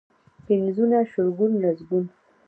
پنځونه، شلګون ، لسګون.